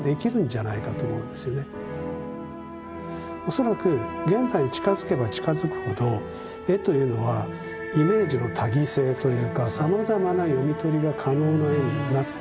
恐らく現代に近づけば近づくほど絵というのはイメージの多義性というかさまざまな読み取りが可能な絵になっていく。